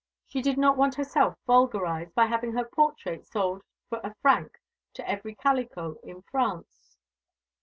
She did not want herself vulgarised by having her portrait sold for a franc to every calicot in France.